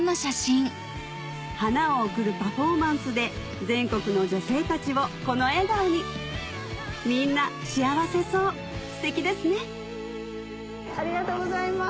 花を贈るパフォーマンスで全国の女性たちをこの笑顔にみんな幸せそうステキですねありがとうございます